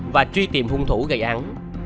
và truy tìm hung thủ gây án